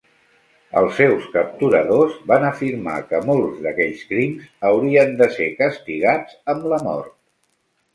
Els seus capturadors van afirmar que molts d'aquells crims haurien de ser castigats amb la mort.